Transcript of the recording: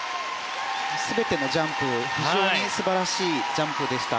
全てのジャンプが非常に素晴らしいものでした。